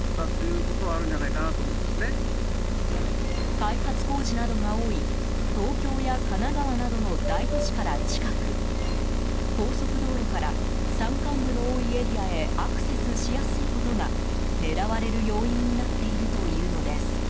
開発工事などが多い東京や神奈川などの大都市から近く高速道路から山間部の多いエリアへアクセスしやすいことが狙われる要因になっているというのです。